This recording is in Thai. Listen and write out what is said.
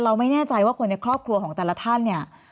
ไม่แน่ใจว่าคนในครอบครัวของแต่ละท่านเนี่ย